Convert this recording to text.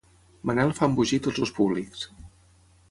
Manel fa embogir tots els públics.